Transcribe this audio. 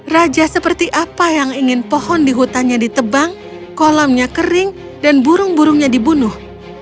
raja seperti apa yang ingin pohon di hutannya ditebang kolamnya kering dan burung burungnya dibunuh